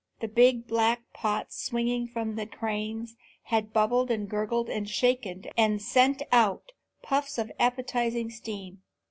The big black pots swinging from the cranes had bubbled and gurgled and shaken and sent out puffs of appetizing steam.